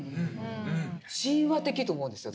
神話的と思うんですよ